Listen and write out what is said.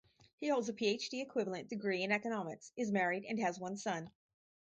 He holds a PhD-equivalent degree in Economics, is married, and has one son.